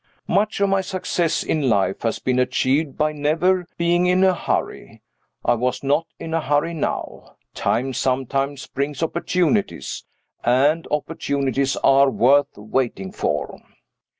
Much of my success in life has been achieved by never being in a hurry. I was not in a hurry now. Time sometimes brings opportunities and opportunities are worth waiting for.